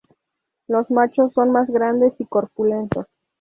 Los machos son más grandes y corpulentos.